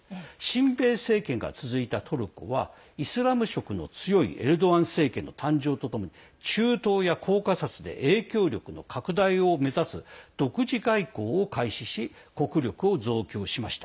親米政権が続いたトルコはイスラム色の強いエルドアン政権の誕生とともに中東やコーカサスで影響力の拡大を目指す独自外交を開始し国力を増強しました。